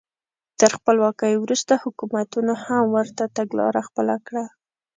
تر خپلواکۍ وروسته حکومتونو هم ورته تګلاره خپله کړه.